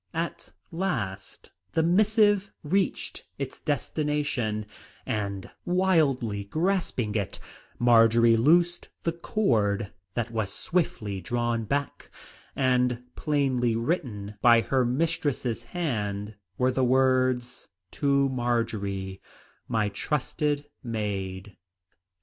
At last the missive reached its destination, and, wildly grasping it, Marjory loosed the cord, that was swiftly drawn back, and plainly written by her mistress's hand were the words, "To Marjory, my trusted maid."